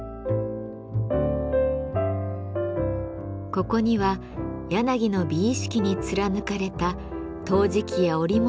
ここには柳の美意識に貫かれた陶磁器や織物などが並びます。